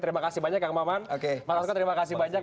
terima kasih banyak kang maman mas rasko terima kasih banyak